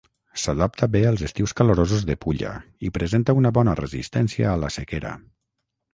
S'adapta bé als estius calorosos de Pulla i presenta una bona resistència a la sequera.